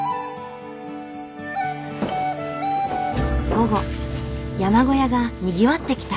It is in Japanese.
午後山小屋がにぎわってきた。